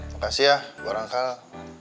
makasih ya gue orang kalah